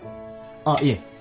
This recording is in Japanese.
あっいえ。